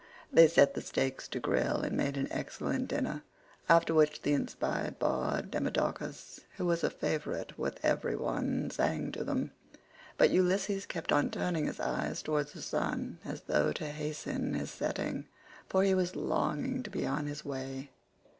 They set the steaks to grill and made an excellent dinner, after which the inspired bard, Demodocus, who was a favourite with every one, sang to them; but Ulysses kept on turning his eyes towards the sun, as though to hasten his setting, for he was longing to be on his way.